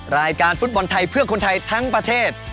รายการฟุตบอลไทยเพื่อคนไทยทั้งประเทศ